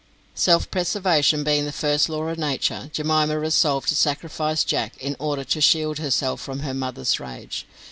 Self preservation being the first law of nature, Jemima resolved to sacrifice Jack in order to shield herself from her mother's rage.